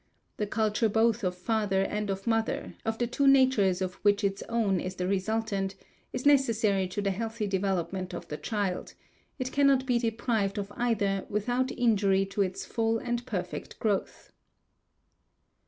The culture both of father and of mother, of the two natures of which its own is the resultant, is necessary to the healthy development of the child; it cannot be deprived of either without injury to its full and perfect growth.